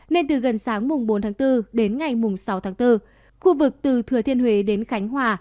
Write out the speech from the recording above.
nên từ gần sáng bốn bốn đến ngày sáu bốn khu vực từ thừa thiên huế đến khánh hòa